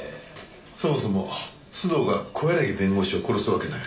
そもそも須藤が小柳弁護士を殺すわけない。